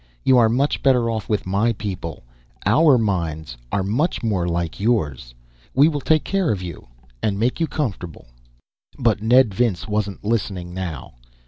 You are much better off with my people our minds are much more like yours. We will take care of you, and make you comfortable...." But Ned Vince wasn't listening, now.